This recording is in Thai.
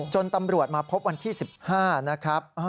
จนตำรวจมาพบวันที่๑๕นะครับ